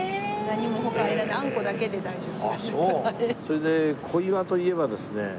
それで小岩といえばですね